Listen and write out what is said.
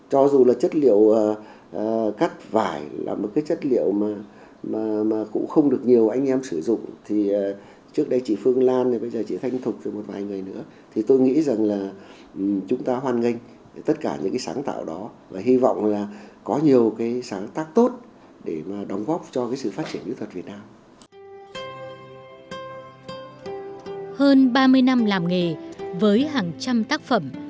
hơn ba mươi năm làm nghề với hàng trăm tác phẩm